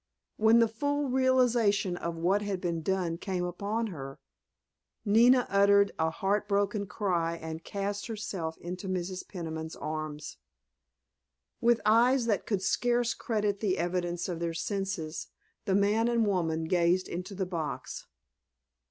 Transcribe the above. When the full realization of what had been done came upon her Nina uttered a heartbroken cry and cast herself into Mrs. Peniman's arms. With eyes that could scarce credit the evidence of their senses the man and woman gazed into the box.